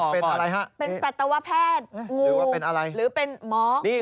เป็นสตสวแพทย์งูหรือเป็นหมองู